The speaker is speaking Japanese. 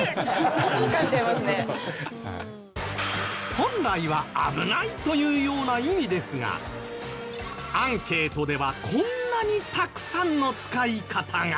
本来は「危ない」というような意味ですがアンケートではこんなにたくさんの使い方が